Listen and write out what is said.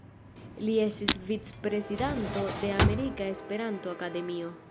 Li estis vic-prezidanto de Amerika Esperanto-Akademio.